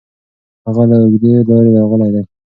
هغه له اوږدې لارې راغلی دی.